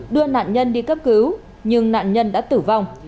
đưa nạn nhân đi cấp cứu nhưng nạn nhân đã tử vong